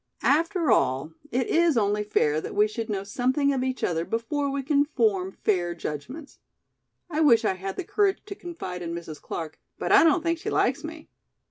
After all it is only fair that we should know something of each other before we can form fair judgments. I wish I had the courage to confide in Mrs. Clark, but I don't think she likes me.